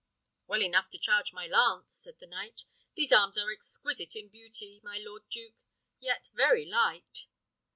"Well enough to charge my lance," said the knight. "These arms are exquisite in beauty, my lord duke, yet very light."